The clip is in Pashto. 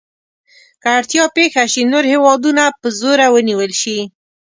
که اړتیا پېښه شي نور هېوادونه په زوره ونیول شي.